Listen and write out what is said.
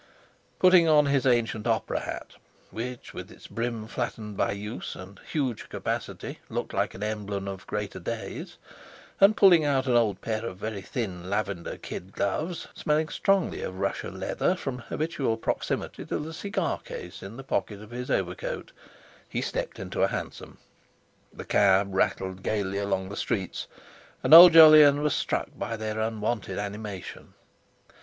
Putting on his ancient opera hat, which, with its brim flattened by use, and huge capacity, looked like an emblem of greater days, and, pulling out an old pair of very thin lavender kid gloves smelling strongly of Russia leather, from habitual proximity to the cigar case in the pocket of his overcoat, he stepped into a hansom. The cab rattled gaily along the streets, and old Jolyon was struck by their unwonted animation.